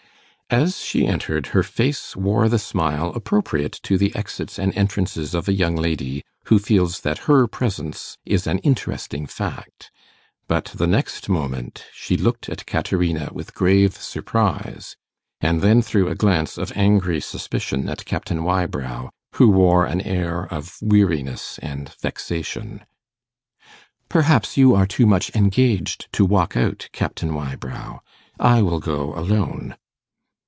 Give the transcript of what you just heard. As she entered, her face wore the smile appropriate to the exits and entrances of a young lady who feels that her presence is an interesting fact; but the next moment she looked at Caterina with grave surprise, and then threw a glance of angry suspicion at Captain Wybrow, who wore an air of weariness and vexation. 'Perhaps you are too much engaged to walk out, Captain Wybrow? I will go alone.